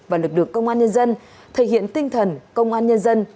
và lực lượng công an nhân dân thể hiện tinh thần công an nhân dân